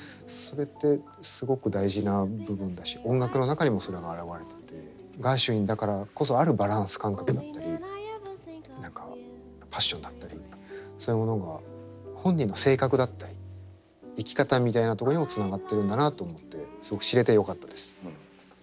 それってすごく大事な部分だし音楽の中にもそれは表れててガーシュウィンだからこそあるバランス感覚だったり何かパッションだったりそういうものが本人の性格だったり生き方みたいなところにもつながってるんだなと思ってすごく知れてよかったです。